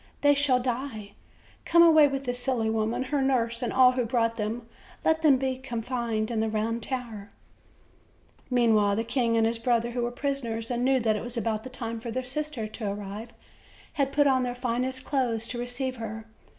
They shall die. Come! away with this silly woman, her nurse and all who brought them; let them be confined in the round tower." OLD, OLD FAIRY TALB&. Meanwhile, the king and his brother, who were pris oners, and knew that it was about the time for their sis ter to arrive, had put on their finest clothes to receive her.